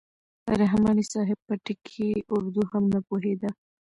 رحماني صاحب په ټکي اردو هم نه پوهېده.